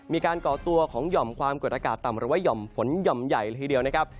ก่อตัวของหย่อมความกดอากาศต่ำหรือว่าห่อมฝนหย่อมใหญ่เลยทีเดียวนะครับ